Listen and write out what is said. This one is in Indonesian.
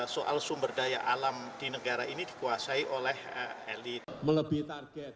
soal sumber daya alam di negara ini dikuasai oleh elit